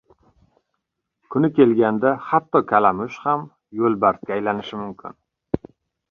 • Kuni kelganda hatto kalamush ham yo‘lbarsga aylanishi mumkin.